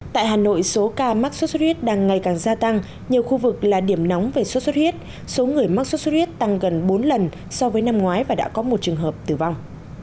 tại hà nội số ca mắc sốt xuất huyết đang ngày càng gia tăng nhiều khu vực là điểm nóng về xuất xuất huyết số người mắc sốt xuất huyết tăng gần bốn lần so với năm ngoái và đã có một trường hợp tử vong